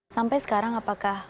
sampai sekarang apakah